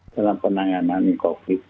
dalam penanganan covid sembilan belas